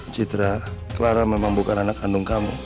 citra clara memang bukan anak kandung kamu